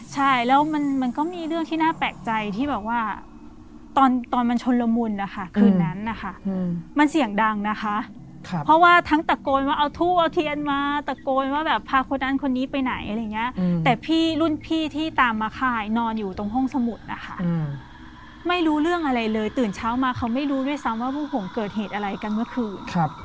ใช่แล้วมันก็มีเรื่องที่น่าแปลกใจที่แบบว่าตอนมันชนละมุนนะคะคืนนั้นนะคะมันเสียงดังนะคะเพราะว่าทั้งตะโกนว่าเอาทูบเอาเทียนมาตะโกนว่าแบบพาคนนั้นคนนี้ไปไหนอะไรอย่างเงี้ยแต่พี่รุ่นพี่ที่ตามมาคายนอนอยู่ตรงห้องสมุดนะคะไม่รู้เรื่องอะไรเลยตื่นเช้ามาเขาไม่รู้ด้วยซ้ำว่าพวกผมเกิดเหตุอะไรกันเมื่อคืน